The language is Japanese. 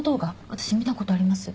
私見た事あります。